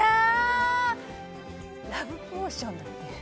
ラブポーションだって。